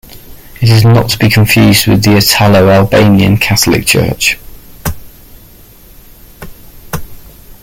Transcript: It is not to be confused with the Italo-Albanian Catholic Church.